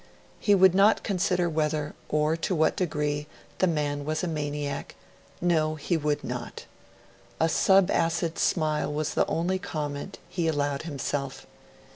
He would not consider whether, or to what degree, the man was a maniac; no, he would not. A subacid smile was the only comment he allowed himself.